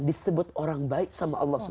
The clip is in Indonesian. disebut orang baik sama allah sw